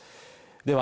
では